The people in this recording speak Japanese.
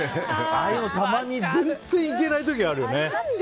ああいうのたまに全然いけない時あるよね。